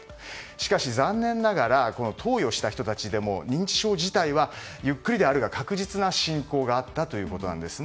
しかし、残念ながら投与した人たちでも認知症自体はゆっくりではあるが確実な進行はあったということなんです。